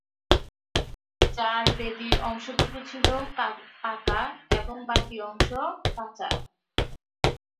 যার বেদীর অংশটুকু ছিল পাকা এবং বাকী অংশ কাঁচা।